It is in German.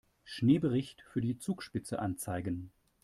Schneebericht für die Zugspitze anzeigen.